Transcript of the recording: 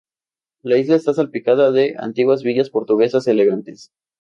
La isla está salpicada de antiguas villas portuguesas elegantes.